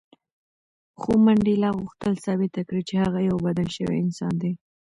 خو منډېلا غوښتل ثابته کړي چې هغه یو بدل شوی انسان دی.